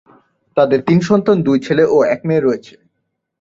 তাদের তিন সন্তান, দুই ছেলে ও এক মেয়ে রয়েছে।